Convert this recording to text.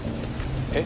え？